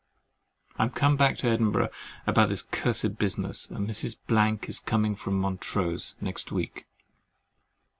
I am come back to Edinburgh about this cursed business, and Mrs. —— is coming from Montrose next week.